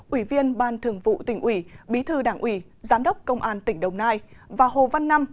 ủy viên ban thường vụ tỉnh ủy bí thư đảng ủy giám đốc công an tỉnh đồng nai và hồ văn năm